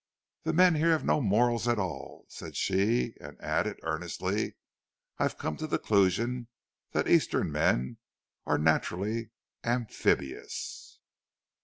"The men here have no morals at all," said she, and added earnestly, "I've come to the conclusion that Eastern men are naturally amphibious!"